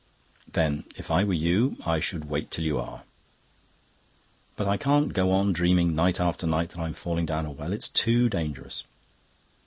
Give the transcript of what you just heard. "Then, if I were you, I should wait till you are." "But I can't go on dreaming night after night that I'm falling down a well. It's too dangerous."